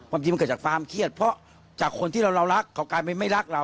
จริงมันเกิดจากความเครียดเพราะจากคนที่เรารักเขากลายเป็นไม่รักเรา